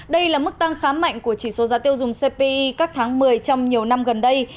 đây là mức tăng khá mạnh của chỉ số giá tiêu dùng cpi các tháng một mươi trong nhiều năm gần đây